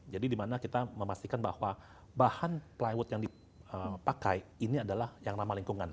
jadi dimana kita memastikan bahwa bahan plywood yang dipakai ini adalah yang ramah lingkungan